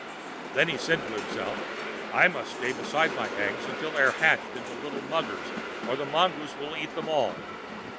Then he said to himself, "I must stay beside my eggs till they are hatched into little muggers, or the mongoose will eat them all."